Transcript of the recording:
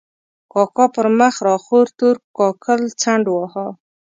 کاکا پر مخ را خور تور کاکل څنډ واهه.